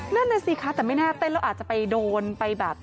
นั่นน่ะสิคะแต่ไม่น่าเต้นแล้วอาจจะไปโดนไปแบบ